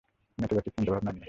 নেতিবাচক চিন্তাভাবনা নিয়ে।